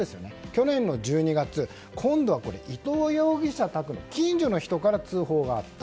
去年の１２月今度は伊藤容疑者宅の近所の人から通報があった。